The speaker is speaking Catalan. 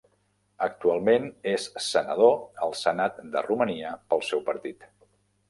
Actualment és senador al Senat de Romania pel seu partit.